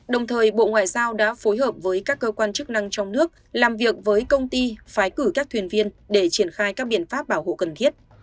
đồng thời bộ ngoại giao đã phối hợp với các cơ quan chức năng trong nước làm việc với công ty phái cử các thuyền viên để triển khai các biện pháp bảo hộ cần thiết